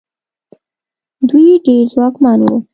دوی ډېر ځواکمن وو.